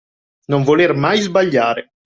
Non voler mai sbagliare